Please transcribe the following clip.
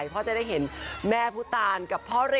ก็เป็นแฟนมิติ้งเลยค่ะ